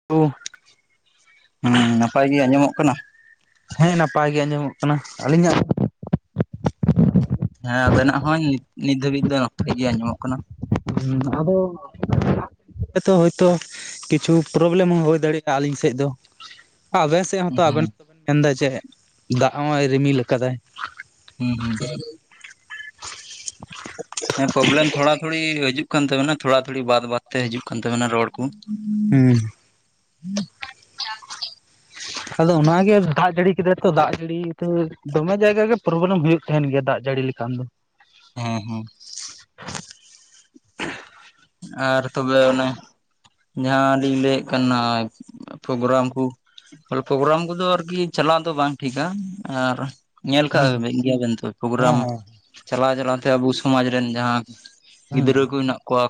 [unintelligible] ᱦᱩᱸ᱾ ᱱᱟᱯᱟᱭ ᱜᱮ ᱟᱸᱡᱚᱢᱚᱜ ᱠᱟᱱᱟ? ᱦᱮᱸ ᱱᱟᱯᱟᱭ ᱜᱮ ᱟᱸᱡᱚᱢᱚᱜ ᱠᱟᱱᱟ᱾ ᱟᱹᱞᱤᱧᱟᱜ? ᱦᱮᱸ ᱟᱵᱮᱱᱟᱜ ᱦᱚᱸ ᱱᱤᱛ ᱱᱤᱛ ᱫᱷᱟᱹᱵᱤᱡ ᱫᱚ ᱱᱟᱯᱟᱭ ᱜᱮ ᱟᱸᱡᱚᱢᱚᱜ ᱠᱟᱱᱟ᱾ ᱦᱩᱸ ᱟᱫᱚ [inaudible] ᱦᱳᱭᱛᱚ ᱠᱤᱪᱷᱩ ᱯᱨᱚᱵᱞᱮᱢ ᱦᱚᱸ ᱦᱩᱭ ᱫᱟᱲᱮᱜ-ᱟ ᱟᱹᱞᱤᱧ ᱥᱮᱫ ᱫᱚ᱾ ᱟᱵᱮᱥ ᱛᱮᱫ ᱦᱚᱸᱛᱚ ᱦᱩᱸ ᱟᱵᱮᱱ ᱵᱟᱵᱮᱱ ᱢᱮᱱᱫᱟ ᱡᱮ ᱫᱟᱜ ᱦᱚᱸᱭ ᱨᱤᱢᱤᱞ ᱟᱠᱟᱫᱟᱭ᱾ ᱦᱩᱸ ᱦᱩᱸ ᱦᱩᱸ᱾ [inaudible] ᱦᱮᱸ ᱯᱚᱵᱞᱮᱢ ᱛᱷᱚᱲᱟ ᱛᱷᱚᱲᱤ ᱦᱤᱡᱩᱜ ᱠᱟᱱ ᱛᱟᱵᱮᱱᱟ ᱛᱷᱚᱲᱟ ᱛᱷᱚᱲᱤ ᱵᱟᱫ ᱵᱟᱫ ᱛᱮ ᱦᱤᱡᱩᱜ ᱠᱟᱱ ᱛᱟᱵᱮᱱᱟ ᱨᱚᱲ ᱠᱚ ᱦᱩᱸ [inaudible] [inaudible] ᱟᱫᱚ ᱚᱱᱟᱜᱮ ᱫᱟᱜ ᱡᱟᱹᱲᱤ ᱠᱮᱫᱟᱭ ᱛᱚ ᱫᱟᱜ ᱡᱟᱹᱲᱤ ᱛᱮ ᱫᱚᱢᱮ ᱡᱟᱭᱜᱟ ᱜᱮ ᱯᱨᱚᱵᱽᱞᱮᱢ ᱦᱩᱭᱩᱜ ᱠᱟᱱᱟ ᱛᱟᱸᱦᱮᱱ ᱜᱮᱭᱟ ᱫᱟᱜ ᱡᱟᱹᱲᱤ ᱞᱮᱠᱷᱟᱱ ᱫᱚ ᱦᱩᱸ ᱦᱩᱸ ᱟᱨ ᱛᱚᱵᱮ ᱚᱱᱮ ᱡᱟᱸᱦᱟ ᱞᱤᱧ ᱞᱟᱹᱭᱮᱫ ᱠᱟᱱᱟ ᱫᱚ ᱯᱨᱳᱜᱨᱟᱢ ᱠᱩ ᱛᱚᱵᱮ ᱯᱨᱳᱜᱨᱟᱢ ᱠᱚᱫᱚ ᱟᱨᱠᱤ ᱪᱟᱞᱟᱜ ᱫᱚ ᱵᱟᱝ ᱴᱷᱤᱠᱟ ᱟᱨ ᱧᱮᱞ ᱠᱟᱜ ᱦᱩᱸ ᱜᱮᱭᱟᱵᱮᱱ ᱛᱚ ᱦᱮᱸ ᱯᱨᱳᱜᱨᱟᱢ ᱦᱮᱸ ᱪᱟᱞᱟᱣ ᱪᱟᱞᱟᱣ ᱛᱮ ᱟᱵᱚ ᱥᱚᱢᱟᱡᱽ ᱨᱮᱱ ᱡᱟᱸᱦᱟ ᱦᱩᱸ ᱜᱤᱫᱽᱨᱟᱹᱠᱩ ᱦᱮᱱᱟᱜ ᱠᱚᱣᱟ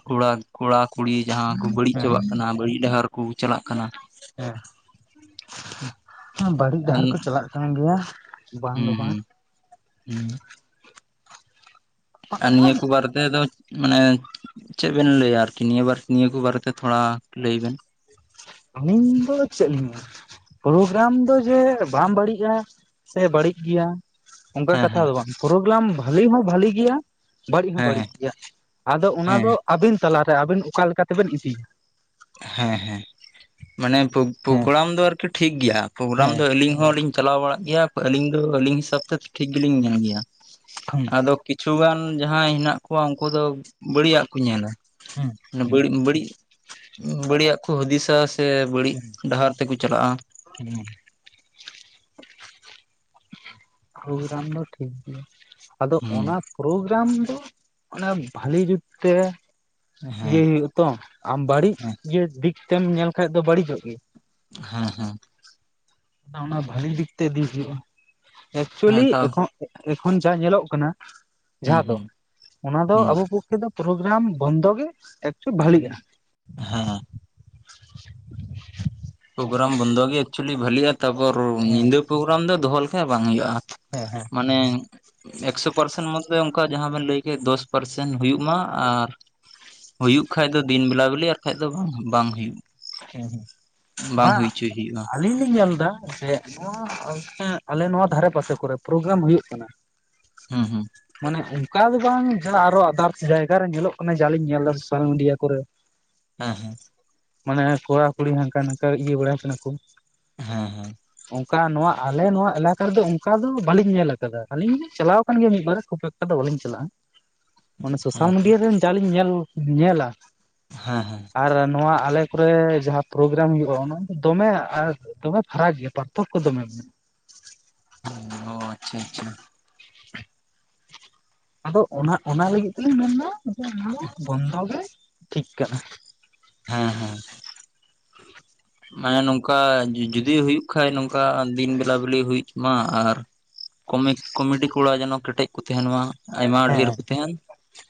ᱠᱚᱲᱟ, ᱠᱩᱲᱤ ᱡᱟᱦᱟᱸ ᱠᱚ ᱵᱟᱹᱲᱤᱡ ᱪᱟᱵᱟᱜ ᱠᱟᱱᱟ ᱦᱮᱸ ᱵᱟᱹᱲᱤᱡ ᱰᱟᱦᱟᱨᱼᱼ ᱠᱩ ᱪᱟᱞᱟᱜ ᱠᱟᱱᱟ ᱦᱮᱸ [inaudible] ᱵᱟᱲᱤᱡ ᱦᱩᱸ ᱰᱟᱦᱟᱨ ᱠᱩ ᱪᱟᱞᱟᱜ ᱠᱟᱱ ᱜᱮᱭᱟ ᱵᱟᱝ ᱫᱚ ᱵᱟᱝᱼᱼ ᱦᱮᱸ ᱟᱨ ᱱᱤᱭᱟᱹᱠᱚᱴᱩ ᱵᱟᱨᱮ ᱛᱮᱫᱚᱼᱼ ᱢᱟᱱᱮ ᱪᱮᱜ ᱵᱮᱱ ᱞᱟᱹᱭᱼᱟ ᱟᱨᱠᱤ ᱱᱤᱭᱟᱹ ᱱᱤᱭᱟᱹ ᱠᱩ ᱵᱟᱨᱮ ᱛᱮ ᱛᱷᱚᱲᱟ ᱞᱟᱹᱭ ᱵᱮᱱ ᱾ ᱟᱹᱞᱤᱧ ᱫᱚ ᱪᱮᱫ ᱞᱤᱧ ᱞᱟᱹᱭᱟ? ᱯᱨᱳᱜᱨᱟᱢ ᱫᱚ ᱡᱮ ᱵᱟᱝ ᱵᱟᱹᱲᱤᱡᱼᱟ ᱥᱮ ᱵᱟᱟᱹᱲᱤᱡ ᱜᱮᱭᱟ ᱼᱼ ᱚᱱᱠᱟᱱ ᱦᱮᱸ ᱠᱟᱛᱷᱟ ᱦᱮᱸ ᱫᱚ ᱵᱟᱝ ᱯᱨᱳᱜᱨᱟᱢ ᱵᱷᱟᱹᱞᱤ ᱦᱚᱸ ᱵᱷᱟᱞᱤ ᱜᱮᱭᱟᱼᱼ ᱵᱟᱹᱲᱤᱡᱽ ᱦᱚᱸ ᱵᱟᱹᱲᱤᱡᱽ ᱦᱮᱸ ᱜᱮᱭᱟ ᱟᱫᱚ ᱚᱱᱟ ᱦᱮᱸ ᱫᱚ ᱟᱹᱵᱤᱱ ᱛᱟᱞᱟᱨᱮ ᱟᱵᱤᱱ ᱚᱠᱟ ᱞᱮᱠᱟ ᱛᱮ ᱵᱤᱱ ᱤᱫᱤᱭᱟ ᱾ ᱦᱮᱸ ᱦᱮᱸ ᱢᱟᱱᱮ ᱦᱮᱸ ᱯᱨᱳᱜᱨᱟᱢ ᱫᱚ ᱟᱨᱠᱤᱼᱼ ᱴᱷᱤᱠ ᱜᱮᱭᱟ ᱯᱨᱳᱜᱽᱨᱟᱢ ᱦᱮᱸ ᱫᱚ ᱟᱞᱤᱧ ᱦᱚᱸᱞᱤᱧ ᱪᱟᱞᱟᱣ ᱵᱟᱲᱟᱜ ᱜᱮᱭᱟ ᱟᱹᱞᱤᱧ ᱫᱚ ᱟᱹᱞᱤᱧ ᱦᱤᱥᱟᱹᱵᱽ ᱛᱮ ᱴᱷᱤᱠ ᱜᱮᱞᱤᱧ ᱧᱮᱞ ᱜᱮᱭᱟ ᱦᱩᱸ ᱾ ᱟᱫᱚ ᱠᱤᱪᱷᱩᱜᱟᱱ ᱡᱟᱸᱦᱟᱭ ᱦᱮᱱᱟᱜ ᱠᱚᱣᱟ ᱩᱱᱠᱩ ᱫᱚ ᱵᱟᱹᱲᱤᱡᱟᱜ ᱠᱚ ᱧᱮᱞᱟ ᱦᱩᱸ ᱾ ᱚᱱᱟ ᱵᱟᱹᱲᱤᱡᱽ ᱦᱚᱸ ᱵᱟᱹᱲᱤᱡᱽᱼᱼ ᱵᱟᱹᱲᱤᱡᱟᱜ ᱠᱚ ᱦᱩᱫᱤᱥᱟ ᱥᱮ ᱵᱟᱲᱤᱡᱽ ᱰᱟᱦᱟᱨ ᱛᱮᱠᱚ ᱪᱟᱞᱟᱜᱼᱟ ᱾ ᱦᱮᱸᱼᱼ ᱯᱨᱳᱜᱽᱨᱟᱢ ᱫᱚ ᱴᱷᱤᱠ ᱜᱮᱭᱟ ᱟᱫᱚ ᱚᱱᱟᱼᱼ ᱦᱩᱸ ᱯᱨᱳᱜᱽᱨᱟᱢ ᱫᱚ ᱚᱱᱟ ᱵᱷᱟᱞᱤ ᱡᱩᱛ ᱛᱮ ᱦᱮᱸ ᱤᱭᱟᱹ ᱦᱮᱸ ᱦᱩᱭᱩᱜ ᱼᱼ ᱛᱚ ᱟᱢ ᱵᱟᱹᱲᱤᱡᱽ ᱫᱟᱜᱽ ᱛᱮᱢ ᱧᱮᱞ ᱠᱷᱟᱱ ᱫᱚ ᱵᱟᱹᱲᱤᱡᱚᱜᱼᱜᱮᱭᱟ ᱾ ᱦᱮᱸ ᱦᱮᱸᱼᱼ ᱚᱱᱟ ᱵᱷᱟᱹᱞᱤ ᱫᱤᱠ ᱛᱮ ᱤᱫᱤ ᱦᱩᱭᱩᱜᱼᱟ ᱦᱮᱸ ᱮᱠᱪᱩᱭᱮᱞᱤ ᱛᱚ ᱮᱠᱷᱚᱱᱼᱼ ᱮᱠᱷᱚᱱ ᱡᱟ ᱧᱮᱞᱚᱜ ᱠᱟᱱᱟ ᱦᱩᱸ ᱡᱟᱸᱦᱟ ᱫᱚ ᱦᱩᱸ ᱚᱱᱟ ᱫᱚ ᱟᱵᱚ ᱦᱩᱸ ᱠᱚᱼᱼ [unintelligible] ᱫᱚ ᱯᱨᱳᱜᱽᱨᱟᱢ ᱵᱚᱱᱫᱚ ᱜᱮ ᱵᱷᱟᱞᱤᱜᱼᱟ ᱾ ᱦᱮᱸ ᱯᱨᱳᱜᱽᱨᱟᱢ ᱵᱚᱱᱫᱚ ᱜᱮ ᱮᱠᱪᱮᱭᱮᱞᱤ ᱵᱷᱟᱞᱤᱜᱼᱟ ᱛᱟᱯᱚᱨ ᱦᱮᱸ ᱧᱤᱸᱫᱟᱹ ᱯᱨᱳᱜᱽᱨᱟᱢ ᱫᱚ ᱫᱚᱦᱚ ᱞᱮᱠᱷᱟᱡ ᱵᱟᱝ ᱦᱩᱭᱩᱜᱼᱟ ᱾ ᱦᱮᱸ ᱦᱮᱸᱼᱼ ᱢᱟᱱᱮ [unintelligible] ᱮᱠᱥᱚ ᱯᱟᱨᱥᱮᱱ ᱢᱚᱫᱽᱫᱷᱮ ᱚᱱᱠᱟ ᱡᱟᱦᱟᱸ ᱵᱮᱱ ᱞᱟᱹᱭᱠᱮᱜ ᱫᱚᱥ ᱯᱟᱨᱥᱮᱱ ᱦᱳᱭᱳᱜ ᱢᱟ ᱟᱨᱼᱼ ᱦᱩᱭᱩᱜ ᱠᱷᱟᱡ ᱫᱚ ᱫᱤᱱ ᱵᱮᱞᱟ ᱵᱮᱞᱤ ᱟᱨ ᱵᱟᱝ ᱠᱷᱟᱡᱽ ᱫᱚ ᱵᱟᱝ ᱦᱳᱭᱳᱜᱼᱟ ᱾ ᱦᱮᱸ ᱦᱮᱸᱼᱼ ᱵᱟᱝ ᱦᱩᱭᱪᱚᱭ ᱦᱩᱭᱩᱜᱼᱟ ᱾ ᱟᱹᱞᱤᱧ ᱞᱤᱧ ᱧᱮᱞ ᱫᱟ ᱡᱮ ᱱᱚᱣᱟ ᱟᱞᱮ ᱱᱚᱣᱟ ᱫᱷᱟᱨᱮ ᱯᱟᱥᱮ ᱠᱚᱨᱮ ᱯᱨᱳᱜᱽᱨᱟᱢ ᱦᱩᱭᱩᱜ ᱠᱟᱱᱟ᱾ ᱦᱩᱸ ᱦᱩᱸ ᱢᱟᱱᱮ ᱚᱱᱠᱟ ᱫᱚ ᱵᱟᱝ ᱡᱟᱸᱦᱟ ᱟᱨᱦᱚᱸ ᱟᱫᱟᱨᱥ ᱡᱟᱭᱜᱟ ᱨᱮ ᱧᱮᱞᱚᱜ ᱠᱟᱱᱟ ᱡᱟ ᱞᱤᱧ ᱧᱮᱞᱫᱟ ᱥᱳᱥᱟᱞ ᱢᱤᱰᱤᱭᱟ ᱠᱚᱨᱮ ᱾ ᱦᱮᱸ ᱦᱮᱸ ᱢᱟᱱᱮ ᱠᱚᱲᱟ ᱠᱩᱲᱤ ᱦᱟᱝᱠᱟ ᱱᱟᱝᱠᱟ ᱤᱭᱟᱹ ᱵᱟᱲᱟᱭ ᱠᱟᱱᱟ ᱠᱚ ᱾ ᱦᱮᱸ ᱦᱮᱸ ᱾ ᱚᱱᱠᱟ ᱱᱚᱣᱟ ᱟᱞᱮ ᱱᱚᱣᱟ ᱮᱞᱟᱠᱟ ᱨᱮᱫᱚ ᱚᱱᱠᱟ ᱫᱚ ᱵᱟᱹᱞᱤᱧ ᱧᱮᱞ ᱟᱠᱟᱫᱟ ᱟᱹᱞᱤᱧ ᱪᱟᱞᱟᱣ ᱟᱠᱟᱱ ᱜᱮᱭᱟ ᱢᱤᱫᱵᱟᱨ ᱠᱷᱩᱵ ᱮᱠ ᱚᱱᱠᱟ ᱫᱚ ᱵᱟᱹᱞᱤᱧ ᱪᱟᱞᱟᱜᱼᱟ ᱢᱟᱱᱮ ᱦᱮᱸ ᱥᱳᱥᱟᱞ ᱢᱤᱰᱤᱭᱟ ᱨᱮ ᱡᱟ ᱞᱤᱧ ᱧᱮᱞ ᱧᱮᱞᱟ ᱾ ᱦᱮᱸ ᱦᱮᱸ ᱾ ᱟᱨ ᱱᱚᱣᱟ ᱟᱞᱮ ᱠᱚᱨᱮ ᱡᱟᱦᱟᱸ ᱯᱨᱳᱜᱽᱨᱟᱢ ᱦᱩᱭᱩᱜᱼᱟ ᱚᱱᱟ ᱫᱚᱢᱮ ᱟᱨ ᱫᱚᱢᱮ ᱯᱷᱟᱨᱟᱠ ᱜᱮᱭᱟ ᱯᱟᱨᱛᱷᱚᱠᱚ ᱫᱚᱢᱮ ᱢᱮᱱᱟᱜᱼᱟ ᱾ ᱚᱸ ᱟᱪᱪᱷᱟ ᱟᱪᱪᱷᱟ ᱾ [unintelligible] ᱟᱫᱚ ᱚᱱᱟ ᱚᱱᱟ ᱞᱟᱹᱜᱤᱫ ᱛᱮᱞᱤᱧ ᱢᱮᱱᱫᱟ ᱡᱮ ᱚᱱᱟ ᱵᱚᱱᱫᱚ ᱜᱮ ᱴᱷᱤᱠ ᱠᱟᱱᱟ᱾ ᱦᱮᱸ ᱦᱮᱸ ᱾ ᱢᱟᱱᱮ ᱱᱚᱝᱠᱟ ᱡᱩᱫᱤ ᱦᱩᱭᱩᱜ ᱠᱷᱟᱡ ᱱᱚᱝᱠᱟ ᱫᱤᱱ ᱵᱮᱞᱟ ᱵᱮᱞᱤ ᱦᱩᱭᱩᱜ ᱢᱟ, ᱟᱨ ᱠᱚᱢᱮ ᱠᱚᱢᱮᱴᱤ ᱠᱚᱲᱟ ᱡᱮᱱᱚ ᱠᱮᱴᱮᱡ ᱠᱚ ᱛᱟᱦᱮᱱ ᱢᱟ ᱾ ᱟᱭᱢᱟ ᱰᱷᱮᱨ ᱦᱮᱸ ᱠᱚ ᱛᱟᱦᱮᱱ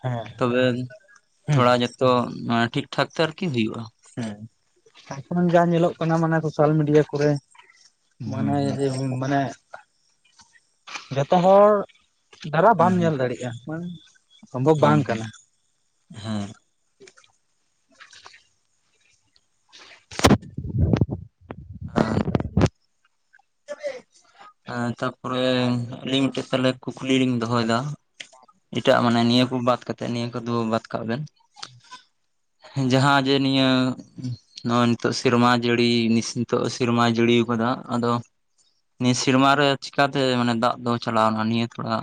ᱦᱮᱸ ᱛᱚᱵᱮ ᱦᱩᱸ ᱛᱷᱚᱲᱟ ᱡᱷᱚᱛᱚ ᱮᱸ ᱴᱷᱤᱠ ᱴᱷᱟᱠ ᱛᱮ ᱟᱨᱠᱤ ᱦᱩᱭᱩᱜᱭᱼᱟ ᱾ ᱦᱮᱸ ᱮᱠᱷᱚᱱ ᱡᱟ ᱧᱮᱞᱚᱜ ᱠᱟᱱᱟ ᱢᱟᱱᱮ ᱥᱳᱥᱟᱞ ᱢᱤᱰᱤᱭᱟ ᱠᱚᱨᱮ ᱢᱟᱱᱮ ᱦᱩᱸ ᱦᱩᱭᱩᱜ ᱦᱩᱸᱢ ᱢᱟᱱᱮ ᱡᱷᱚᱛᱚ ᱦᱚᱲ ᱫᱟᱨᱟ ᱵᱟᱢ ᱦᱩᱸ ᱧᱮᱞ ᱫᱟᱲᱮᱜᱼᱟ ᱥᱚᱢᱵᱷᱚᱵ ᱵᱟᱝ ᱠᱟᱱᱟ ᱾ ᱦᱮᱸ ᱾ [unintelligible] [unintelligible] ᱮ ᱛᱟᱯᱚᱨᱮ ᱟᱹᱞᱤᱧ ᱢᱤᱫᱴᱮᱡ ᱛᱟᱦᱚᱞᱮ ᱠᱩᱠᱞᱤ ᱞᱤᱧ ᱫᱚᱦᱚᱭ ᱫᱟ ᱾ ᱮᱴᱟᱜ ᱢᱟᱱᱮ ᱱᱤᱭᱟᱹ ᱠᱚ ᱵᱟᱫ ᱠᱟᱛᱮ ᱱᱤᱭᱟᱹ ᱠᱚᱫᱚ ᱵᱟᱫ ᱠᱟᱜ ᱵᱮᱱ ᱾ ᱡᱟᱦᱟᱸ ᱡᱮ ᱱᱤᱭᱟᱹ ᱱᱚᱜ ᱱᱤᱛᱚᱜ ᱥᱮᱨᱢᱟ ᱡᱟᱹᱲᱤ ᱱᱤᱥ ᱱᱤᱛᱚᱜ ᱥᱮᱨᱢᱟ ᱡᱟᱹᱲᱤᱭ ᱠᱟᱫᱟ ᱟᱫᱚ ᱱᱤᱭᱟᱹ ᱥᱮᱨᱢᱟ ᱨᱮ ᱪᱤᱠᱟᱛᱮ ᱢᱟᱱᱮ ᱫᱟᱜ ᱫᱚ ᱪᱟᱞᱟᱣᱱᱟ ᱱᱤᱭᱟᱹ ᱛᱷᱚᱲᱟ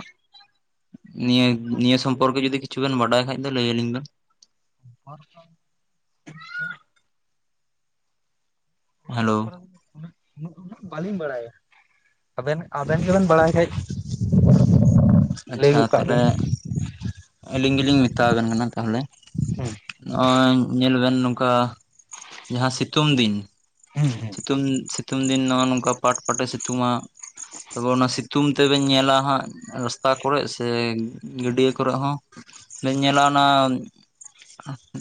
ᱱᱤᱭᱟᱹ ᱱᱤᱭᱟᱹ ᱥᱚᱢᱯᱚᱨᱠᱮ ᱡᱩᱫᱤ ᱠᱤᱪᱷᱩ ᱵᱮᱱ ᱵᱟᱰᱟᱭ ᱠᱷᱟᱡ ᱫᱚ ᱞᱟᱹᱭ ᱟᱞᱤᱧ ᱵᱮᱱ? [unintelligible] ᱦᱮᱞᱳ ᱾ ᱩᱱᱟᱹᱜ ᱩᱱᱟᱹᱜ ᱵᱟᱹᱞᱤᱧ ᱵᱟᱲᱟᱭᱟ ᱾ ᱟᱵᱮᱱ ᱟᱵᱮᱱ ᱜᱮᱵᱮᱱ ᱵᱟᱲᱟᱭ ᱠᱷᱟᱡ ᱞᱟᱹᱭ ᱟᱪᱪᱷᱟ ᱜᱚᱫ ᱠᱟᱜ ᱛᱟᱦᱚᱞᱮ ᱵᱤᱱ᱾ ᱟᱹᱞᱤᱧ ᱜᱤᱞᱤᱧ ᱢᱮᱛᱟ ᱟᱵᱮᱱ ᱠᱟᱱᱟ ᱛᱟᱦᱚᱞᱮ᱾ ᱦᱩᱸ ᱱᱚᱜᱼᱚᱭ ᱧᱮᱞ ᱵᱮᱱ ᱱᱚᱝᱠᱟ ᱡᱟᱦᱟᱸ ᱥᱤᱛᱩᱝ ᱫᱤᱱ [unintelligible] ᱥᱤᱛᱩᱝ ᱥᱤᱛᱩᱝ ᱫᱤᱱ ᱫᱚ ᱱᱚᱜ ᱱᱚᱝᱠᱟ ᱯᱟᱴ ᱯᱟᱴ ᱥᱤᱛᱩᱝᱼᱟ ᱛᱚᱵᱮ ᱚᱱᱟ ᱥᱤᱛᱩᱝ ᱛᱮᱵᱮᱱ ᱧᱮᱞᱟ ᱦᱟᱸᱜ ᱨᱟᱥ ᱨᱟᱥᱛᱟ ᱠᱚᱨᱮ ᱥᱮ ᱜᱟᱹᱰᱭᱟᱹ ᱠᱚᱨᱮ ᱦᱚᱸ ᱵᱮᱱ ᱧᱮᱞᱟ ᱚᱱᱟ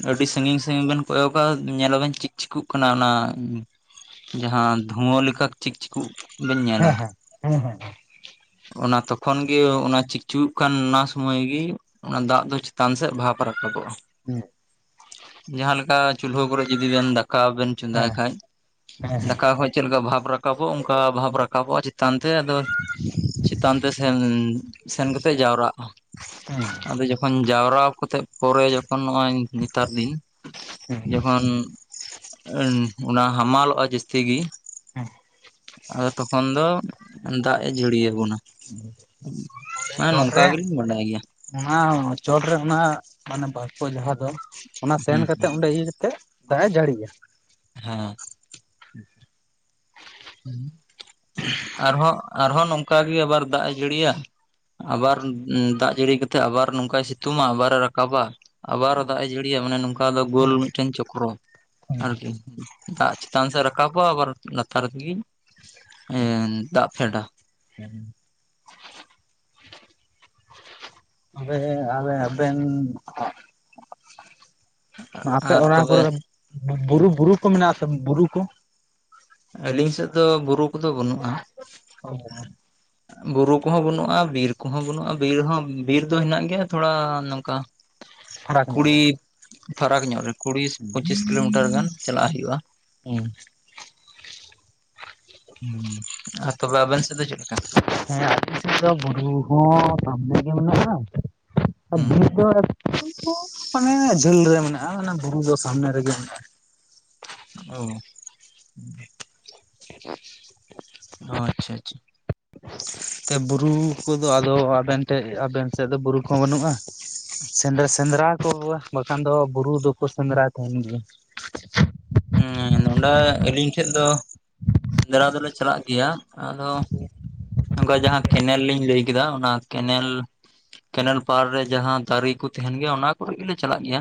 ᱟᱹᱰᱤ ᱥᱟᱹᱜᱤᱧ ᱥᱟᱹᱜᱤᱧ ᱵᱮᱱ ᱠᱚᱭᱚᱜᱼᱟ ᱧᱮᱞ ᱟᱵᱮᱱ ᱪᱤᱠ ᱪᱤᱠᱚᱜ ᱠᱟᱱᱟ ᱚᱱᱟ ᱡᱟᱦᱟᱸ ᱫᱷᱩᱣᱟᱹ ᱞᱮᱠᱟ ᱪᱤᱠ ᱪᱤᱠᱩᱜ ᱵᱮᱱ ᱧᱮᱞᱟ ᱦᱮᱸ ᱦᱮᱸ ᱦᱮᱸ ᱦᱮᱸ ᱦᱮᱸ ᱦᱮᱸ ᱚᱱᱟ ᱛᱚᱠᱷᱚᱱ ᱜᱮ ᱚᱱᱟ ᱪᱤᱠ ᱪᱤᱠᱜᱩᱚᱜ ᱠᱟᱱ ᱚᱱᱟ ᱥᱩᱢᱟᱹᱭ ᱜᱤ ᱚᱱᱟ ᱫᱟᱜ ᱫᱚ ᱪᱮᱛᱟᱱ ᱥᱮᱫ ᱵᱷᱟᱵᱽ ᱨᱟᱠᱟᱵᱚᱜᱼᱟ᱾ ᱡᱟᱦᱟᱸ ᱞᱮᱠᱟ ᱪᱩᱞᱦᱟᱹ ᱠᱚᱨᱮ ᱡᱚᱫᱤ ᱵᱮᱱ ᱫᱟᱠᱟ ᱵᱮᱱ ᱪᱚᱸᱫᱟᱭ ᱠᱷᱟᱡ ᱦᱮᱸ ᱫᱟᱠᱟ ᱠᱷᱚᱡ ᱪᱮᱞᱠᱟ ᱵᱷᱟᱵ ᱨᱟᱠᱟᱵᱚᱜᱼᱟ ᱚᱱᱠᱟ ᱵᱷᱟᱵ ᱨᱟᱠᱟᱵᱚᱜᱼᱟ ᱪᱮᱛᱟᱱ ᱛᱮ, ᱟᱫᱚ ᱪᱮᱛᱟᱱ ᱛᱮ ᱥᱮᱱ ᱥᱮᱱ ᱠᱟᱛᱮᱜ ᱡᱟᱣᱨᱟᱜᱼᱟ ᱾ ᱟᱫᱚ ᱡᱚᱠᱷᱚᱱ ᱡᱟᱣᱨᱟᱣ ᱠᱚᱛᱮᱜ ᱯᱚᱨᱮ ᱡᱚᱠᱷᱚᱱ ᱱᱚᱜᱼᱚᱭ ᱱᱮᱛᱟᱨ ᱫᱤᱱ ᱦᱮᱸ ᱦᱮᱸ ᱡᱚᱠᱷᱚᱱ ᱩᱸ ᱚᱱᱟ ᱦᱟᱢᱟᱞᱚᱜᱼᱟ ᱡᱟᱹᱥᱛᱤ ᱜᱤ ᱦᱮᱸ ᱟᱫᱚ ᱛᱚᱠᱷᱚᱱ ᱫᱚ ᱫᱟᱜ ᱮ ᱡᱟᱹᱲᱤ ᱟᱵᱚᱱᱟ᱾ ᱦᱮᱸ ᱪᱚᱴ ᱨᱮ ᱱᱚᱝᱠᱟ ᱜᱮᱞᱤᱧ ᱵᱟᱰᱟᱭ ᱜᱮᱭᱟ᱾ ᱚᱱᱟ ᱪᱚᱴ ᱨᱮ ᱚᱱᱟ ᱢᱟᱱᱮ ᱵᱟᱥᱯᱳ ᱡᱟᱦᱟᱸ ᱫᱚ ᱚᱱᱟ ᱛᱮᱱ ᱦᱮᱸ ᱠᱟᱛᱮᱫ ᱚᱸᱰᱮ ᱤᱭᱟᱹ ᱠᱟᱛᱮᱫ, ᱫᱟᱜᱼᱮ ᱡᱟᱹᱲᱤᱭᱟ᱾ ᱦᱮᱸ᱾ [inaudible] ᱟᱨᱦᱚᱸ ᱟᱨᱦᱚᱸ ᱱᱚᱝᱠᱟ ᱜᱮ ᱟᱵᱟᱨ ᱫᱟᱜ ᱮ ᱡᱟᱹᱲᱤᱭᱟ᱾ ᱟᱵᱟᱨ ᱫᱟᱜ ᱡᱟᱹᱲᱤ ᱠᱟᱛᱮᱜ ᱟᱵᱟᱨ ᱱᱚᱝᱠᱟᱭ ᱥᱤᱛᱩᱝᱼᱟ ᱟᱵᱟᱨ ᱮ ᱨᱟᱠᱟᱵᱟ, ᱟᱵᱟᱨ ᱫᱟᱜᱼᱮ ᱡᱟᱹᱲᱤᱭᱟ ᱢᱟᱱᱮ ᱱᱚᱝᱠᱟ ᱫᱚ ᱜᱳᱞ ᱢᱤᱫᱴᱮᱱ ᱪᱚᱠᱨᱚ᱾ ᱟᱨᱠᱤ, ᱫᱟᱜ ᱪᱮᱛᱟᱱ ᱥᱮᱜ ᱨᱟᱠᱟᱵᱚᱜᱼᱟ ᱟᱵᱟᱨ ᱞᱟᱛᱟᱨ ᱞᱟᱛᱟᱨ ᱠᱤ ᱮᱸᱻ ᱫᱟᱜ ᱯᱷᱮᱰᱟ᱾ [inaudible] ᱦᱮᱸ ᱟᱞᱮ ᱟᱵᱮᱱ, ᱟᱯᱮ ᱟᱨ ᱚᱲᱟᱜ ᱛᱚᱵᱮ ᱫᱚ ᱵᱩᱨᱩ ᱵᱩᱨᱩ ᱠᱚ ᱢᱮᱱᱟᱜ ᱟᱥᱮ ᱵᱩᱨᱩ ᱠᱚ, ᱟᱹᱞᱤᱧ ᱥᱮᱫ ᱫᱚ ᱵᱩᱨᱩ ᱠᱚᱫᱚ ᱵᱟᱹᱱᱩᱜᱼᱟ᱾ ᱚᱻ ᱵᱩᱨᱩ ᱠᱚᱦᱚᱸ ᱵᱟᱹᱱᱩᱜᱼᱟ, ᱵᱤᱨ ᱠᱚᱦᱚᱸ ᱵᱟᱹᱱᱩᱜᱼᱟ, ᱵᱤᱨ ᱦᱚᱸ ᱵᱤᱨ ᱫᱚ ᱦᱮᱱᱟᱜ ᱜᱮᱭᱟ ᱛᱷᱚᱲᱟ ᱱᱚᱝᱠᱟ ᱯᱷᱟᱨᱟᱠ ᱧᱚᱜ ᱠᱩᱲᱤ ᱨᱮ, ᱯᱷᱟᱨᱟᱠ ᱧᱚᱜ ᱨᱮ ᱠᱩᱲᱤ ᱯᱚᱸᱪᱤᱥ ᱠᱤᱞᱳᱢᱤᱴᱟᱨ ᱜᱟᱱ ᱪᱟᱞᱟᱜ ᱦᱩᱭᱩᱜᱼᱟ [inaudible] ᱦᱩᱸ᱾ ᱦᱩᱸ, ‌ ᱟᱨ ᱛᱚᱵᱮ ᱟᱵᱤᱱ ᱥᱮᱫ ᱫᱚ ᱪᱮᱫ ᱞᱮᱠᱟ? ᱦᱮᱸ ᱟᱹᱞᱤᱧ ᱥᱮᱫ ᱫᱚ ᱵᱩᱨᱩ ᱦᱚᱸ ᱥᱟᱢᱱᱮ ᱜᱮ ᱢᱮᱱᱟᱜᱼᱟ ᱟᱨ ᱦᱩᱸ ᱵᱤᱨ ᱫᱚ ᱢᱟᱱᱮ ᱡᱷᱟᱹᱞ ᱨᱮ ᱢᱮᱱᱟᱜᱼᱟ, ᱢᱟᱱᱮ ᱵᱩᱨᱩ ᱫᱚ ᱥᱟᱢᱱᱮ ᱨᱮᱜᱮ ᱢᱮᱱᱟᱜᱼᱟ᱾ ᱚ [inaudible] ᱚ, ᱟᱪᱪᱷᱟ ᱟᱪᱪᱷᱟ᱾ ᱵᱩᱨᱩ ᱠᱚᱫᱚ ᱟᱫᱚ ᱟᱵᱮᱱ ᱴᱷᱮᱡ ᱟᱵᱮᱱ ᱥᱮᱫ ᱫᱚ ᱵᱩᱨᱩ ᱠᱚᱦᱚᱸ ᱵᱟᱹᱱᱩᱜᱼᱟ᱾ ᱥᱮᱸᱫᱮ ᱥᱮᱸᱫᱽᱨᱟ ᱠᱚ ᱵᱟᱠᱷᱟᱱ ᱫᱚ ᱵᱩᱨᱩ ᱫᱚᱠᱚ ᱥᱮᱸᱫᱽᱨᱟ ᱛᱟᱦᱮᱸᱱ ᱜᱮᱭᱟ᱾ ᱦᱮᱸ ᱱᱚᱰᱮ ᱟᱹᱞᱤᱧ ᱴᱷᱮᱡ ᱫᱚ ᱥᱮᱸᱫᱽᱨᱟ ᱫᱚᱞᱮ ᱪᱟᱞᱟᱜ ᱜᱮᱭᱟ ᱟᱫᱚ ᱱᱚᱝᱠᱟ ᱡᱟᱦᱟᱸ ᱠᱮᱱᱮᱞ ᱞᱤᱧ ᱞᱟᱹᱭ ᱠᱮᱫᱟ ᱚᱱᱟ ᱦᱩᱸ ᱠᱮᱱᱮᱞ ᱠᱮᱱᱮᱞ ᱯᱟᱲ ᱨᱮ ᱡᱟᱦᱟᱸ ᱫᱟᱨᱮ ᱠᱚ ᱛᱟᱦᱮᱸᱱ ᱜᱮᱭᱟ ᱚᱱᱟ ᱠᱚᱨᱮᱜ ᱜᱮᱞᱮ ᱪᱟᱞᱟᱜ ᱜᱮᱭᱟ᱾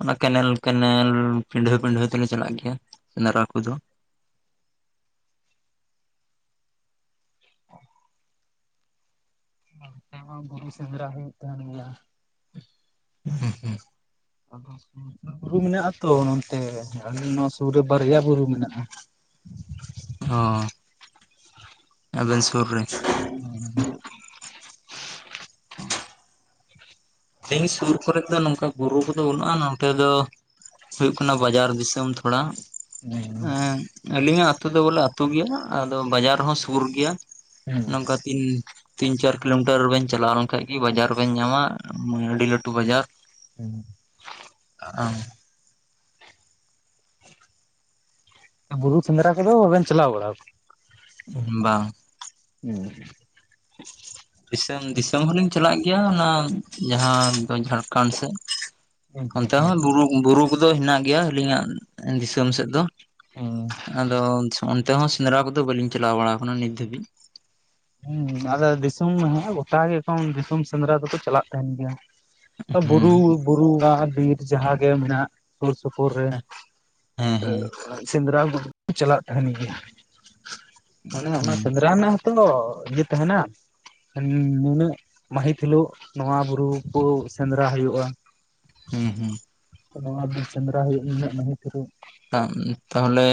ᱚᱱᱟ ᱠᱮᱱᱮᱞ ᱠᱮᱱᱮᱞ ᱯᱤᱰᱷᱟᱹ ᱯᱤᱰᱷᱟᱹ ᱛᱮᱞᱮ ᱪᱟᱞᱟᱜ ᱜᱮᱭᱟ ᱥᱮᱸᱫᱽᱨᱟ ᱠᱚᱫᱚ᱾ ᱟᱭᱢᱟ ᱵᱩᱨᱩ ᱥᱮᱸᱫᱽᱨᱟ ᱦᱩᱭᱩᱜ ᱛᱟᱦᱮᱸᱱ ᱜᱮᱭᱟ᱾ [inaudible] ᱦᱩᱸ ᱦᱩᱸ᱾ [unintelligible] ᱟᱫᱚ ᱵᱩᱨᱩ ᱢᱮᱱᱟᱜᱼᱟ ᱟᱛᱚ ᱱᱚᱱᱛᱮ ᱟᱹᱞᱤᱧ ᱱᱚᱣᱟ ᱥᱩᱨ ᱨᱮ ᱵᱟᱨᱭᱟ ᱵᱩᱨᱩ ᱢᱮᱱᱟᱜᱼᱟ᱾ ᱦᱚᱸᱻ ᱟᱵᱮᱱ ᱥᱩᱨ ᱨᱮ [inaudible] ᱟᱹᱞᱤᱧ ᱥᱩᱨ ᱠᱚᱨᱮᱜ ᱫᱚ ᱱᱚᱝᱠᱟ ᱵᱩᱨᱩ ᱠᱚᱫᱚ ᱵᱟᱹᱱᱩᱜᱼᱟ, ᱱᱚᱱᱛᱮ ᱫᱚ ᱦᱳᱭᱜ ᱠᱟᱱᱟ ᱵᱟᱡᱟᱨ ᱫᱤᱥᱚᱢ ᱛᱷᱚᱲᱟ, ᱮᱸᱻ ᱟᱹᱞᱤᱧᱟᱜ ᱟᱹᱛᱩ ᱫᱚ ᱵᱚᱞᱮ ᱟᱹᱛᱩ ᱜᱮᱭᱟ, ᱟᱫᱚ ᱵᱟᱡᱟᱨ ᱦᱚᱸ ᱥᱩᱨ ᱜᱮᱭᱟ᱾ ᱦᱩᱸ ᱱᱚᱝᱠᱟ ᱛᱤᱱ ᱛᱤᱱ ᱪᱟᱨ ᱠᱤᱞᱳᱢᱤᱴᱟᱨ ᱵᱤᱱ ᱪᱟᱞᱟᱣ ᱞᱮᱱᱠᱷᱟᱡ ᱜᱮ ᱵᱟᱡᱟᱨ ᱵᱤᱱ ᱧᱟᱢᱟ᱾ ᱟᱹᱰᱤ ᱞᱟᱹᱴᱩ ᱵᱟᱡᱟᱨ, ᱦᱮᱸ᱾ ᱟ, ᱟᱢ ᱵᱩᱨᱩ ᱥᱮᱸᱫᱽᱨᱟ ᱠᱚᱫᱚ ᱵᱟᱵᱮᱱ ᱪᱟᱞᱟᱣ ᱵᱟᱲᱟ ᱟᱠᱟᱱᱟ᱾ ᱵᱟᱝ᱾ ᱦᱩᱸ᱾ ᱫᱤᱥᱚᱢ, ᱫᱤᱥᱚᱢ ᱦᱚᱸᱞᱤᱧ ᱪᱟᱞᱟᱜ ᱜᱮᱭᱟ ᱚᱱᱟ ᱡᱟᱦᱟᱸ ᱫᱚ ᱡᱷᱟᱲᱠᱷᱚᱱᱰ ᱥᱮᱡ᱾ ᱦᱩᱸ ᱦᱩᱸ ᱚᱱᱛᱮ ᱦᱚᱸ ᱵᱩᱨᱩ, ᱵᱩᱨᱩ ᱠᱚᱫᱚ ᱦᱮᱱᱟᱜ ᱜᱮᱭᱟ ᱟᱹᱞᱤᱧᱟᱜ ᱫᱤᱥᱚᱢ ᱥᱮᱫ ᱫᱚ᱾ ᱦᱩᱸ᱾ ᱟᱫᱚ ᱚᱱᱛᱮ ᱦᱚᱸ ᱥᱮᱸᱫᱽᱨᱟ ᱠᱚᱫᱚ ᱵᱟᱹᱞᱤᱧ ᱪᱟᱞᱟᱣ ᱵᱟᱲᱟᱣ ᱠᱟᱱᱟ ᱱᱤᱛ ᱫᱷᱟᱹᱵᱤᱡ᱾ ᱦᱩᱸ, ᱟᱫᱚ ᱫᱤᱥᱚᱢ ᱜᱮ ᱦᱮᱱᱟᱜ-ᱟ, ᱜᱚᱴᱟ ᱜᱮ ᱮᱠᱷᱚᱱ ᱫᱤᱥᱚᱢ ᱥᱮᱸᱫᱽᱨᱟ ᱫᱚᱠᱚ ᱪᱟᱞᱟᱜ ᱛᱟᱦᱮᱱ ᱜᱮᱭᱟ᱾ ᱦᱩᱸ ᱵᱩᱨᱩ, ᱵᱩᱨᱩ ᱟᱨ ᱵᱤᱨ ᱡᱟᱦᱟᱸᱟᱜᱮ ᱢᱮᱱᱟᱜ ᱥᱩᱨ ᱥᱩᱯᱩᱨ ᱨᱮ ᱦᱮᱸ ᱦᱮᱸ [unintelligible] ᱥᱮᱸᱫᱽᱨᱟ ᱠᱩ ᱪᱟᱞᱟᱜ ᱛᱟᱦᱮᱱ ᱜᱮᱭᱟ, ᱢᱟᱱᱮ ᱚᱱᱟ ᱦᱩᱸ ᱥᱮᱸᱫᱽᱨᱟ ᱨᱮᱱᱟᱜ ᱦᱚᱸ ᱱᱤᱛᱚᱝ ᱫᱚ ᱤᱭᱟᱹ ᱛᱟᱦᱮᱱᱟ? ᱦᱩᱸᱻ ᱱᱩᱱᱟᱹᱜ ᱢᱟᱹᱦᱤᱛ ᱦᱤᱞᱳᱜ ᱱᱚᱣᱟ ᱵᱩᱨᱩ ᱠᱚ ᱥᱮᱸᱫᱽᱨᱟ ᱦᱩᱭᱩᱜ-ᱟ᱾ ᱦᱩᱸ ᱦᱩᱸ᱾ ᱱᱚᱣᱟ ᱵᱤᱨ ᱥᱮᱸᱫᱽᱨᱟ ᱦᱩᱭᱩᱜ ᱱᱤᱱᱟᱹᱜ ᱢᱟᱹᱦᱤᱛ ᱨᱮ᱾ ᱟᱨ ᱛᱟᱦᱞᱮ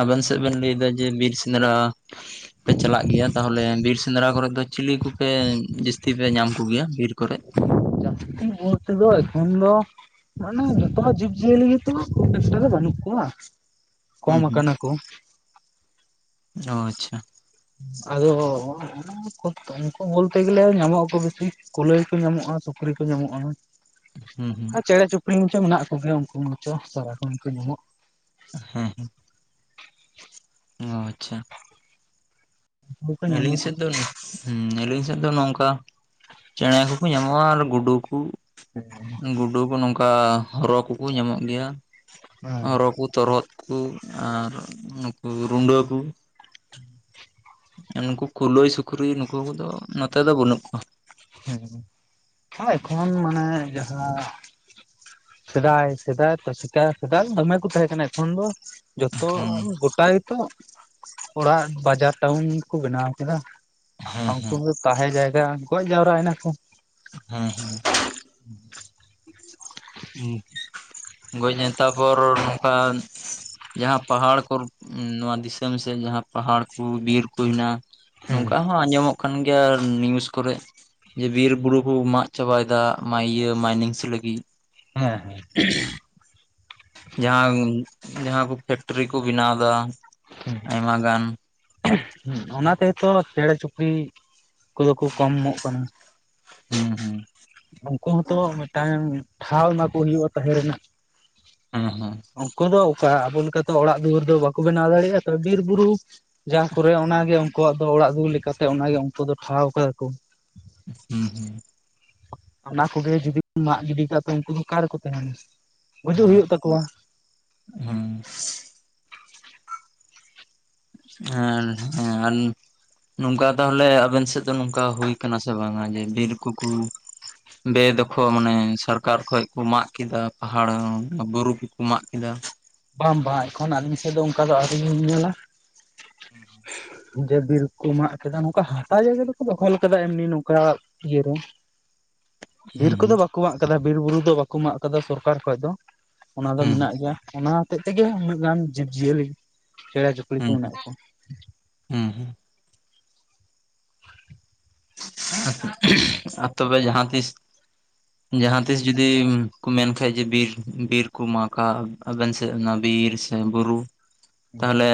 ᱟᱵᱮᱱ ᱥᱮᱫ ᱵᱮᱱ ᱞᱟᱹᱭᱫᱟ ᱡᱮ ᱵᱤᱨ ᱥᱮᱸᱫᱽᱨᱟ ᱯᱮ ᱪᱟᱞᱟᱜ ᱜᱮᱭᱟ᱾ ᱛᱟᱦᱚᱞᱮ ᱵᱤᱨ ᱥᱮᱸᱫᱽᱨᱟ ᱠᱚᱨᱮ ᱫᱚ ᱪᱤᱞᱤ ᱠᱚᱯᱮ ᱡᱟᱹᱥᱛᱤ ᱯᱮ ᱧᱟᱢ ᱠᱚᱜᱮᱭᱟ ᱵᱤᱨ ᱠᱚᱨᱮ? ᱩᱱᱠᱩ ᱫᱚ, ᱮᱠᱷᱚᱱ ᱫᱚ ᱢᱟᱱᱮ ᱡᱚᱛᱚᱦᱟ ᱡᱤᱵᱽ ᱡᱤᱭᱟᱹᱞᱤ ᱜᱮᱛᱚ ᱦᱟᱸᱜ ᱠᱷᱩᱵ ᱮᱠᱴᱟ ᱫᱚ ᱵᱟᱹᱱᱩᱜ ᱠᱚᱣᱟ᱾ ᱦᱩᱸ ᱠᱚᱢ ᱦᱩᱸ ᱟᱠᱟᱱᱟ ᱠᱚ᱾ ᱚ, ᱟᱪᱪᱷᱟ᱾ ᱟᱫᱚᱻ ᱩᱱᱠᱩ, ᱩᱱᱠᱩ ᱵᱚᱞᱛᱮ ᱜᱮᱞᱮ ᱧᱟᱢᱚᱜ-ᱟᱠᱚ ᱵᱤᱥᱤ᱾ ᱠᱩᱞᱟᱹᱭ ᱠᱚ ᱧᱟᱢᱚᱜ-ᱟ, ᱥᱩᱠᱨᱤ ᱠᱚ ᱧᱟᱢᱚᱜ-ᱟ᱾ ᱦᱩᱸ ᱦᱩᱸ᱾ ᱟᱨ ᱪᱮᱬᱮ ᱪᱩᱯᱲᱤ ᱢᱟᱪᱚ ᱢᱮᱱᱟᱜ ᱠᱚᱜᱮᱭᱟ, ᱩᱱᱠᱩ ᱢᱟᱪᱚ ᱥᱟᱨᱟᱠᱷᱟᱱ ᱜᱮᱠᱚ ᱧᱟᱢᱚᱜ᱾ ᱦᱮᱸ ᱦᱮᱸ᱾ ᱚ, ᱟᱪᱪᱷᱟ᱾ ᱩᱱᱠᱩ ᱠᱚ ᱟᱹᱞᱤᱧ ᱧᱟᱢᱚᱜᱼᱟ ᱥᱮᱫ ᱫᱚ [unintelligible] ᱦᱩᱸᱻ ᱟᱹᱞᱤᱧ ᱫᱚ ᱱᱚᱝᱠᱟ ᱪᱮᱬᱮ ᱠᱚᱠᱚ ᱧᱟᱢᱚᱜ-ᱟ ᱟᱨ ᱜᱩᱰᱩ ᱠᱚ᱾ ᱜᱩᱰᱩ ᱠᱚ ᱱᱚᱝᱠᱟ ᱦᱚᱨᱚ ᱠᱚᱠᱚ ᱧᱟᱢᱚᱜ ᱜᱮᱭᱟ᱾ ᱦᱮᱸ ᱦᱚᱨᱚ ᱠᱩ, ᱛᱚᱨᱚᱫ ᱠᱩ ᱟᱨ ᱱᱩᱠᱩ ᱨᱩᱸᱰᱟᱹ ᱠᱩ᱾ [unintelligible] ᱱᱩᱠᱩ ᱠᱩᱞᱟᱹᱭ, ᱥᱩᱠᱨᱤ ᱱᱩᱠᱩ ᱠᱚᱫᱚ ᱱᱚᱛᱮ ᱫᱚ ᱵᱟᱹᱱᱩᱜ ᱠᱚᱣᱟ᱾ ᱦᱩᱸ, ᱟᱨ ᱮᱠᱷᱚᱱ ᱢᱟᱱᱮ ᱡᱟᱦᱟᱸ ᱥᱮᱫᱟᱭ, ᱥᱮᱫᱟᱭ ᱛᱚ ᱥᱮᱫᱟᱭ, ᱥᱮᱫᱟᱭ ᱫᱚᱢᱮ ᱠᱚ ᱛᱟᱦᱮᱸ ᱠᱟᱱᱟ ᱮᱠᱷᱚᱱ ᱫᱚ ᱡᱚᱛᱚ, ᱦᱮᱸ ᱜᱚᱴᱟ ᱜᱮᱛᱚ ᱚᱲᱟᱜ ᱵᱟᱡᱟᱨ ᱴᱟᱣᱩᱱ ᱠᱚ ᱵᱮᱱᱟᱣ ᱠᱮᱫᱟ᱾ ᱩᱝᱠᱩ ᱫᱚ ᱛᱟᱦᱮᱸ ᱡᱟᱭᱜᱟ, ᱜᱚᱡ ᱡᱟᱣᱨᱟᱭᱱᱟ ᱠᱚ᱾ ᱦᱮᱸ ᱦᱮᱸ᱾ ᱦᱩᱸ᱾ ᱦᱩᱸ, ᱜᱚᱡᱱᱟ, ᱛᱟᱯᱚᱨ ᱱᱚᱝᱠᱟ ᱡᱟᱦᱟᱸ ᱯᱟᱦᱟᱲ ᱠᱚ, ᱱᱚᱣᱟ ᱫᱤᱥᱚᱢ ᱥᱮᱫ ᱡᱟᱦᱟᱸ ᱯᱟᱦᱟᱲ ᱠᱚ, ᱵᱤᱨᱠᱩ ᱢᱮᱱᱟᱜ-ᱟ ᱦᱩᱸ ᱱᱚᱝᱠᱟ ᱦᱚᱸ ᱟᱸᱡᱚᱢᱚᱜ ᱠᱟᱱ ᱜᱮᱭᱟ ᱱᱤᱭᱩᱡ ᱠᱚᱨᱮ, ᱡᱮ ᱵᱤᱨ ᱵᱩᱨᱩ ᱠᱚ ᱢᱟᱜ ᱪᱟᱵᱟᱭᱫᱟ ᱤᱭᱟᱹ ᱢᱟᱭᱱᱤᱝ ᱠᱩᱥᱤ ᱞᱟᱹᱜᱤᱫ᱾ ᱦᱮᱸ ᱦᱮᱸ᱾ [unintelligible] ᱡᱟᱦᱟᱸ, ᱡᱟᱦᱟᱸ ᱠᱚ ᱯᱷᱮᱠᱴᱨᱤ ᱠᱚ ᱵᱮᱱᱟᱣᱫᱟ ᱦᱩᱸ ᱟᱭᱢ ᱜᱟᱱ᱾ ᱦᱩᱸ, ᱚᱱᱟ ᱛᱮᱛᱚ ᱪᱮᱬᱮ ᱪᱩᱯᱲᱤ ᱠᱚᱫᱚ ᱠᱚ ᱠᱚᱢᱚᱜ ᱠᱟᱱᱟ᱾ ᱦᱩᱸ ᱩᱱᱠᱩ ᱦᱚᱸᱛᱚ ᱢᱤᱫᱴᱟᱝ ᱴᱷᱟᱶ ᱮᱢᱟᱠᱚ ᱦᱩᱭᱩᱜ-ᱟ ᱛᱟᱦᱮᱸ ᱨᱮᱱᱟᱜ᱾ ᱦᱩᱸ ᱦᱩᱸ ᱩᱱᱠᱩ ᱫᱚ ᱚᱠᱟ ᱟᱵᱚ ᱞᱮᱠᱟ ᱞᱮᱠᱟᱛᱮ ᱚᱲᱟᱜ ᱫᱩᱣᱟᱹᱨ ᱫᱚ ᱵᱟᱠᱚ ᱵᱮᱱᱟᱣ ᱫᱟᱲᱮᱭᱟᱜᱼᱟ ᱛᱚ ᱵᱤᱨᱼᱵᱩᱨᱩᱼᱼ ᱠᱚᱨᱮ ᱚᱱᱟᱜᱮ ᱩᱱᱠᱩᱣᱟᱜ ᱫᱚ ᱚᱲᱟᱜ ᱫᱩᱣᱟᱹᱨ ᱞᱮᱠᱟᱛᱮ ᱚᱱᱟᱜᱮ ᱩᱱᱠᱩ ᱫᱚ ᱴᱷᱟᱶ ᱠᱟᱫᱟ ᱠᱚ [unintelligible] ᱚᱱᱟ ᱠᱚᱜᱮ ᱡᱩᱫᱤᱢ ᱢᱟᱜ ᱜᱤᱰᱤ ᱠᱟᱜ ᱛᱚ ᱩᱱᱠᱩ ᱫᱚ ᱚᱠᱟ ᱨᱮᱠᱚ ᱛᱟᱦᱮᱱᱟ ᱜᱩᱡᱩᱜ ᱦᱮᱸ ᱦᱩᱭᱩᱜ ᱛᱟᱠᱚᱣᱟ᱾ ᱦᱩᱸ [unintelligible] ᱱᱚᱝᱠᱟ ᱛᱟᱦᱚᱞᱮ ᱟᱵᱮᱱ ᱥᱮᱫ ᱫᱚ ᱱᱚᱝᱠᱟ ᱦᱩᱭᱳ ᱟᱠᱟᱱᱟ ᱥᱮ ᱵᱟᱝᱟ ᱡᱮ ᱵᱤᱨ ᱠᱚᱠᱚᱼᱼ ᱵᱮ ᱫᱚᱠᱷᱚ ᱢᱟᱱᱮ ᱥᱚᱨᱠᱟᱨ ᱠᱷᱚᱡ ᱠᱚ ᱢᱟᱜ ᱠᱮᱫᱟ ᱯᱟᱦᱟᱲ ᱵᱩᱨᱩ ᱠᱚᱠᱚ ᱢᱟᱜ ᱠᱮᱫᱟ? ᱵᱟᱝ ᱵᱟᱝ ᱮᱠᱷᱚᱱ ᱟᱹᱞᱤᱧ ᱥᱮᱫ ᱫᱚ ᱚᱱᱠᱟ ᱫᱚ ᱟᱹᱣᱨᱤᱤᱧ ᱧᱮᱞᱟ᱾ [unintelligible] ᱡᱮ ᱵᱤᱨᱤ ᱠᱩ ᱢᱟᱜ ᱠᱮᱫᱟ ᱱᱚᱝᱠᱟ ᱦᱟᱥᱟ ᱡᱟᱭᱜᱟ ᱫᱚᱠᱚ ᱫᱚᱦᱚ ᱟᱠᱟᱫᱟ ᱮᱢᱱᱤ ᱱᱚᱝᱠᱟᱼᱼ ᱤᱭᱟᱹ ᱨᱮᱼᱼ ᱵᱤᱨ ᱦᱩᱸ ᱠᱚᱫᱚ ᱵᱟᱠᱚ ᱢᱟᱜ ᱠᱟᱫᱟ ᱵᱤᱨᱵᱩᱨᱩ ᱫᱚ ᱵᱟᱠᱚ ᱢᱟᱜ ᱠᱟᱫᱟ ᱥᱚᱨᱠᱟᱨ ᱠᱷᱚᱡ ᱫᱚ᱾ ᱚᱱᱟ ᱫᱚ ᱦᱩᱸ ᱢᱮᱱᱟᱜ ᱚᱱᱟ ᱦᱚᱛᱮᱡ ᱛᱮᱜᱮ ᱩᱱᱟᱹᱜ ᱜᱟᱱ ᱡᱤᱵᱽᱼᱡᱤᱭᱟᱹᱞᱤ ᱪᱮᱬᱱ ᱪᱩᱼᱼ ᱠᱩᱲᱤ ᱠᱚ ᱦᱩᱸ ᱦᱩᱸ ᱢᱮᱱᱟᱜ ᱠᱚᱣᱟ ᱦᱩᱸ ᱦᱩᱸ [unintelligible] ᱟᱨ ᱛᱚᱵᱮ ᱡᱟᱦᱟᱸᱤᱥ ᱡᱟᱦᱟᱸ ᱛᱤᱥ ᱡᱩᱫᱤ ᱠᱚ ᱢᱮᱱ ᱠᱷᱟᱱᱡ ᱡᱮ ᱵᱤᱨ ᱵᱤᱨ ᱠᱚ ᱢᱟᱜᱼᱟ ᱟᱵᱮᱱ ᱥᱮᱫ ᱚᱱᱟ ᱵᱤᱨ ᱥᱮ ᱵᱩᱨᱩ ᱛᱟᱦᱚᱞᱮ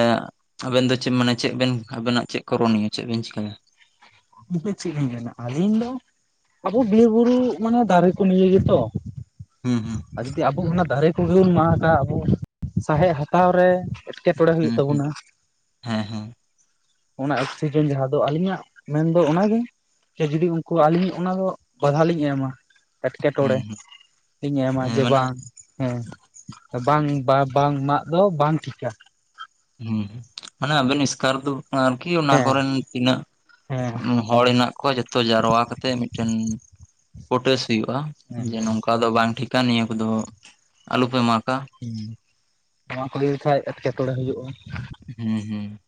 ᱟᱵᱮᱱ ᱫᱚ ᱪᱮᱫ ᱢᱟᱱᱮ ᱪᱮᱫ ᱵᱮᱱ ᱟᱵᱮᱱᱟᱜ ᱪᱮᱫ ᱠᱚ ᱨᱚᱱᱭᱟ ᱪᱮᱫ ᱵᱮᱱ ᱪᱮᱤᱠᱟᱹᱭᱟ [unintelligible] ᱞᱤᱧ ᱟᱹᱞᱤᱧ ᱫᱚᱼᱼ ᱟᱵᱚ ᱵᱤᱨ ᱵᱩᱨᱩ ᱢᱟᱱᱮ ᱫᱟᱨᱮ ᱠᱚ ᱱᱤᱭᱮ ᱜᱮᱛᱚ ᱦᱩᱸ ᱦᱩᱸ ᱟᱨ ᱡᱩᱫᱤ ᱟᱵᱚ ᱚᱱᱟ ᱫᱟᱨᱮ ᱠᱚᱜᱮ ᱵᱚᱱ ᱢᱟᱜ ᱜᱟ ᱟᱵᱚ ᱥᱟᱣᱦᱮᱫ ᱦᱟᱛᱟᱣ ᱨᱮ ᱮᱴᱠᱮ ᱴᱚᱲᱮ ᱦᱩᱭᱩᱜ ᱦᱩᱸ ᱦᱩᱸ ᱛᱟᱵᱚᱱᱟ᱾ ᱦᱮᱸ ᱦᱮᱸ ᱚᱱᱟ ᱚᱠᱥᱤᱡᱮᱱ ᱡᱟᱦᱟᱸ ᱫᱚ ᱟᱹᱞᱤᱧᱟᱜ ᱢᱮᱱᱫᱚ ᱚᱱᱟᱜᱮ ᱡᱩᱫᱤ ᱩᱱᱠᱩ ᱟᱹᱞᱤᱧ ᱚᱱᱟᱫᱚ ᱵᱟᱫᱷᱟ ᱞᱤᱧ ᱮᱢᱟ ᱦᱩᱸ ᱮᱴᱠᱮᱴᱚᱲᱮ ᱦᱩᱸ ᱤᱧ ᱮᱢᱟ ᱦᱮᱸ ᱡᱮ ᱢᱟᱱᱮ ᱦᱩᱸ ᱵᱟᱝ ᱦᱮᱸ ᱵᱟᱝ ᱵᱟ ᱵᱟᱝ ᱢᱟᱜ ᱫᱚ ᱵᱟᱝ ᱴᱷᱤᱠᱟ ᱾ ᱦᱩᱸ ᱚᱱᱟ ᱟᱵᱮᱱ ᱮᱥᱠᱟᱨ ᱫᱩ ᱟᱨᱠᱤ ᱚᱱᱟ ᱦᱮᱸ ᱠᱚᱨᱮᱱ ᱛᱤᱱᱟᱹᱜ ᱦᱮᱸ ᱦᱚᱲ ᱦᱮᱱᱟᱜ ᱠᱚᱣᱟ ᱡᱚᱛᱚ ᱡᱟᱨᱟᱣᱟ ᱠᱟᱛᱮᱜ ᱢᱤᱫᱴᱮᱱ ᱯᱚᱴᱮᱥ ᱦᱩᱭᱩᱜᱼᱟ, ᱡᱮ ᱦᱮᱸ ᱱᱚᱝᱠᱟ ᱫᱚ ᱵᱟᱝ ᱴᱷᱤᱠᱟ ᱱᱤᱭᱟᱹ ᱠᱚᱫᱚ ᱟᱞᱚ ᱯᱮ ᱢᱟᱜᱟ ᱾ ᱦᱩᱸ ᱱᱚᱣᱟ ᱠᱚ ᱦᱩᱭ ᱞᱮᱠᱷᱟᱡ ᱮᱴᱠᱮᱴᱚᱬᱮ ᱦᱩᱭᱩᱜᱼᱟ ᱾ ᱦᱩᱸ ᱦᱩᱸ